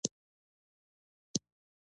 د لامبېدلو اجازه يې هم راکړه.